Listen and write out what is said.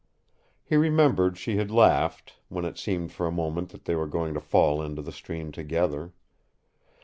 He remembered she had laughed, when it seemed for a moment that they were going to fall into the stream together.